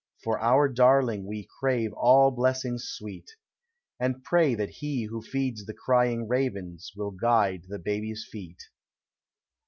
For our darling We crave all blessings sweet. And pray that He who feeds the crying ravens Will guide the baby's feet.